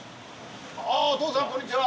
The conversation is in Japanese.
あっお父さんこんにちは。